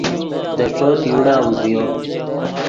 دے ݯوت یوڑا اوزیو